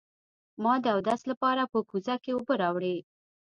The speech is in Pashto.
ما د اودس لپاره په کوزه کې اوبه راوړې.